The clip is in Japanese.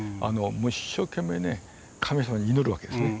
もう一生懸命ね神様に祈るわけですね。